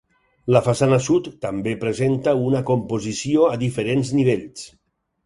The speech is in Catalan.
La façana sud, també presenta una composició a diferents nivells.